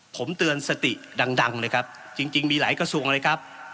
ผมเตือนสติดังเลยครับจริงมีหลายกระทรวงเลยครับ